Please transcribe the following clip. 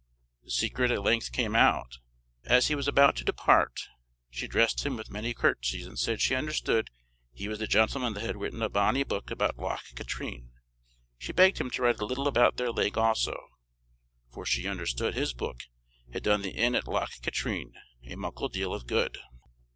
The secret at length came out. As he was about to depart, she addressed him with many curtsies, and said she understood he was the gentleman that had written a bonnie book about Loch Katrine. She begged him to write a little about their lake also, for she understood his book had done the inn at Loch Katrine a muckle deal of good.